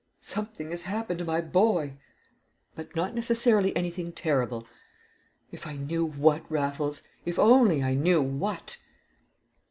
"Something has happened to my boy!" "But not necessarily anything terrible." "If I knew what, Raffles if only I knew what!"